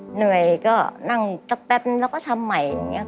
เหนื่อยก็นั่งสักแล้วก็ทำใหม่